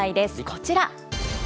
こちら。